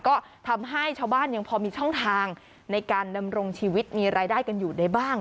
ก็ทำให้ชาวบ้านยังพอมีช่องทางในการดำรงชีวิตมีรายได้กันอยู่ได้บ้าง